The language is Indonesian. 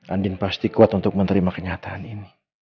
andin pasti kuat untuk menerima kenyataan ini